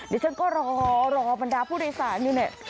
ดิฉันก็รอรอบรรดาผู้โดยสารอยู่เนี่ย